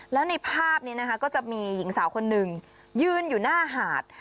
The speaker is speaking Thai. แล้วในภาพนี้นะคะก็จะมีหญิงสาวคนหนึ่งยืนอยู่หน้าหาด